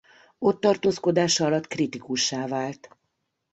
Ott-tartózkodása alatt kritikussá vált.